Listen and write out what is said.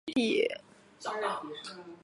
黄果树爬岩鳅为平鳍鳅科爬岩鳅属的鱼类。